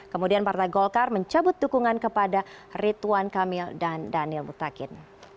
kemudian partai golkar mencabut dukungan kepada rituan kamil dan daniel mutakin